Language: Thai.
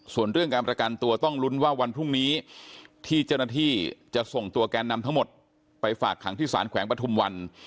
ส่วนเรื่องการประกันตัวต้องลุ้นว่าวันพรุ่งนี้ที่เจ้าหน้าที่จะส่งตัวแกนนำทั้งหมดไปฝากขังที่สารแขวงปฐุมวัน